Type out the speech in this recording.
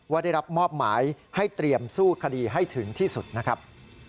ได้รับมอบหมายให้เตรียมสู้คดีให้ถึงที่สุดนะครับ